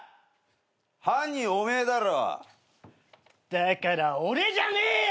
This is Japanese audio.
だから俺じゃねえよ！